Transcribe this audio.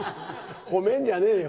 褒めんじゃねえよ。